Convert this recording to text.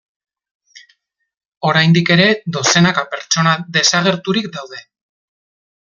Oraindik ere, dozenaka pertsona desagerturik daude.